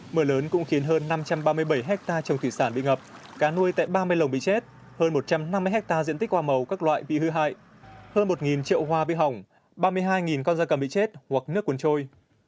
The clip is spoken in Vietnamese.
mưa lớn cũng khiến hơn năm trăm ba mươi bảy hectare trồng thủy sản bị ngập cá nuôi tại ba mươi lồng bị chết hơn một trăm năm mươi hectare diện tích hoa màu các loại bị hư hại hơn một triệu hoa bị hỏng ba mươi hai con da cầm bị chết hoặc nước cuốn trôi